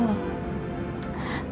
tapi dia baik baik aja